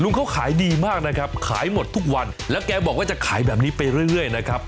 เขาขายดีมากนะครับขายหมดทุกวันแล้วแกบอกว่าจะขายแบบนี้ไปเรื่อยนะครับ